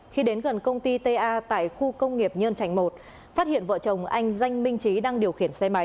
khi đến gần công ty ta tại khu công nghiệp nhân trạch một phát hiện vợ chồng anh danh minh trí đang điều khiển xe máy